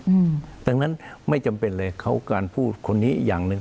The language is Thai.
อืมดังนั้นไม่จำเป็นเลยเขาการพูดคนนี้อีกอย่างหนึ่ง